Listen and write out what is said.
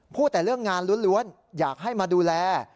พูดแต่เรื่องงานล้วนอยากให้มาดูแล